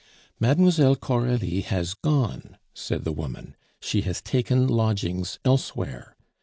"Mlle. Coralie has gone," said the woman. "She has taken lodgings elsewhere.